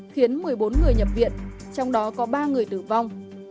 khiến một mươi bốn người nhập viện trong đó có ba người tử vong